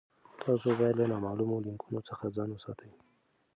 تاسي باید له نامعلومو لینکونو څخه ځان وساتئ.